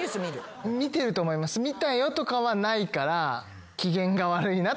見たよとかはないから。